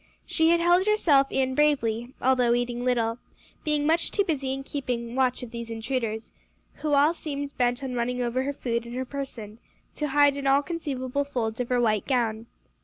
She had held herself in bravely, although eating little, being much too busy in keeping watch of these intruders, who all seemed bent on running over her food and her person, to hide in all conceivable folds of her white gown.